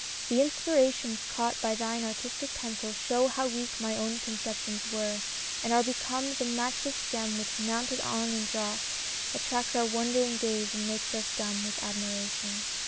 — The inspirations caught By thine artistic pencil show how weak My own conceptions were, and are become The matchless gem which, mounted e'en in dross. Attracts our wondering gaze and makes us dumb With admiration.